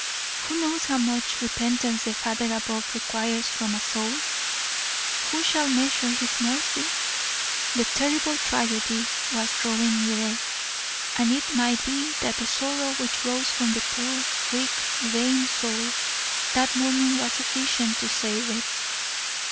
Who knows how much repentance the Father above requires from a soul? Who shall measure His mercy? The terrible tragedy was drawing nearer; and it might be that the sorrow which rose from the poor, weak, vain soul that morning was sufficient to save it.